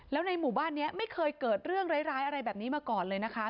แล้วในหมู่บ้านนี้ไม่เคยเกิดเรื่องร้ายอะไรแบบนี้มาก่อนเลยนะคะ